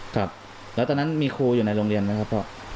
ครับแล้วตอนนั้นมีครูอยู่ในโรงเรียนไหมครับพ่อ